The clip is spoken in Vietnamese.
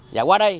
và qua đây